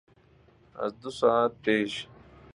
از دو ساعت پیش